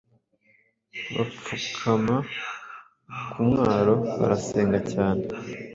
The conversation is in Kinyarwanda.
bapfukama ku mwaro barasenga cyane